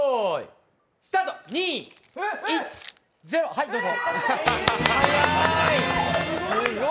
はい、どうぞ。